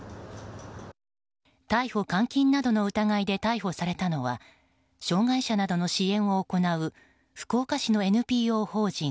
逮捕監禁などの疑いで逮捕されたのは障害者などの支援を行う福岡市のＮＰＯ法人